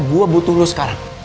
gue butuh lu sekarang